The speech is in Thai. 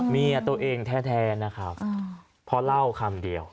เมียตัวเองแท้นะครับเพราะเล่าคำเดียว